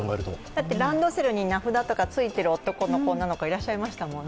ランドセルに名札とかついている男の子、女の子いらっしゃいましたもんね。